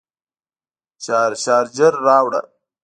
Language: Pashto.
شارجر راوړه